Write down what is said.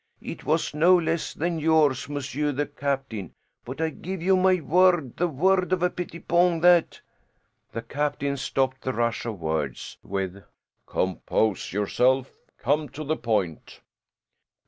It was no less than yours, monsieur the captain. But I give you my word, the word of a Pettipon, that " The captain stopped the rush of words with, "Compose yourself. Come to the point."